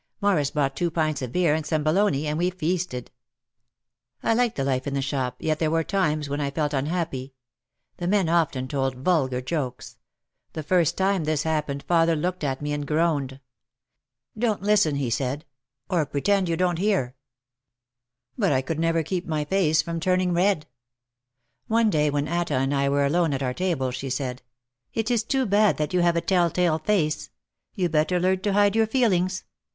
Morris bought two pints of beer and some bologna and we feasted. I liked the life in the shop yet there were times when I felt unhappy. The men often told vulgar jokes. The first time this happened father looked at me and groaned. "Don't listen," he said, "or pretend you don't hear." 88 OUT OF THE SHADOW But I could never keep my face from turning red. One day when Atta and I were alone at our table she said: "It is too bad that you have a 'tell tale face/ You better learn to hide your feelings.